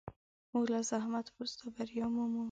موږ له زحمت وروسته بریا مومو.